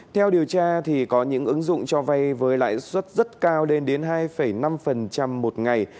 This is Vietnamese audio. theo điều tra có những ứng dụng cho vay với lãi suất rất cao lên đến hai năm một ngày